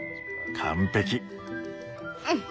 完璧。